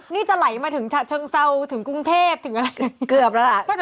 นี่จะไหลมาถึงเชิงเชาท์ถึงกรุงเภพเกือบแล้วครับ